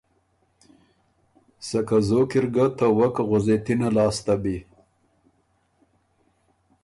سکه زوک اِرګه ته وک غؤزېتِنه لاسته بی۔